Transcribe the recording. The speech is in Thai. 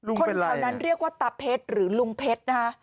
คนเท่านั้นเรียกว่าตับเพชรหรือลุงเพชร